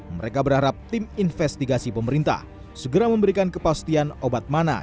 mereka berharap tim investigasi pemerintah segera memberikan kepastian obat mana